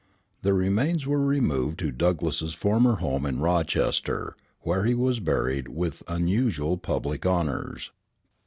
The remains were removed to Douglass's former home in Rochester, where he was buried with unusual public honors.